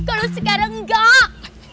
kalau sekarang enggak